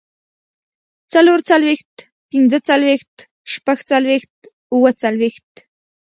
څلورڅلوېښت، پينځهڅلوېښت، شپږڅلوېښت، اووهڅلوېښت